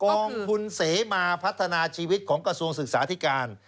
กองทุนเสมาพัฒนาชีวิตของกระทรวงศึกษาธิการ